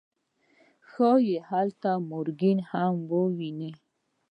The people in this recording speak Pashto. ښايي هلته مورګان هم وويني.